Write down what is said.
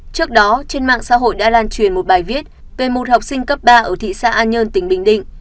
trước đó trên mạng xã hội đã lan truyền một bài viết về một học sinh cấp ba ở thị xã an nhơn tỉnh bình định